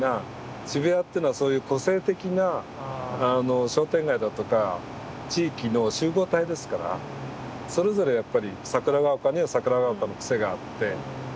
渋谷っていうのはそういう個性的な商店街だとか地域の集合体ですからそれぞれやっぱり桜丘には桜丘のクセがあって。